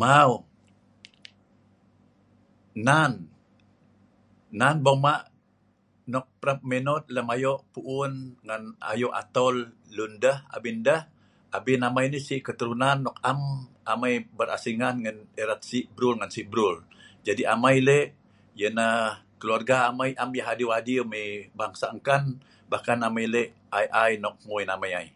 Mau, nan..nan bung ma'nok parap minotlem ayo' pu'un, nan ayo' atol luen deh abin deh abin amai nei se' seturunan nok am amai nei beransingan erat se'bruel ngan se' bruel, jadi amai le' ya nah keluarga amai am yah adew mai bangsa nkan bah Kan amai le' ai-ai nok hgui amai AI.